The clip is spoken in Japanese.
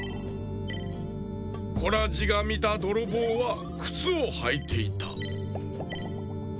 コラジがみたどろぼうはくつをはいていた。